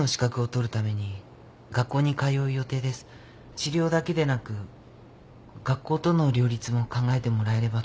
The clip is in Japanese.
治療だけでなく学校との両立も考えてもらえればと。